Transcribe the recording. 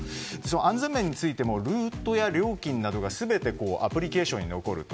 安全面についてもルートや料金が全てアプリケーションに残ると。